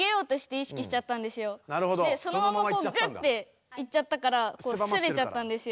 でそのままこうグッていっちゃったからすれちゃったんですよ。